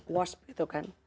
wasp gitu kan